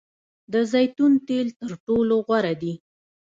د زیتون تیل تر ټولو غوره دي.